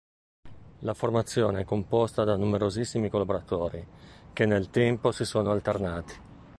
La formazione è composta da numerosissimi collaboratori che nel tempo si sono alternati.